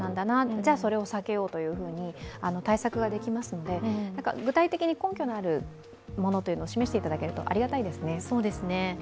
じゃあ、それを避けようみたいに対策ができますので具体的に根拠のあるものを示していただけるとありがたいですね。